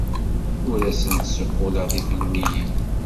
Ur asent-d-ssuqquleɣ tifelwiyin.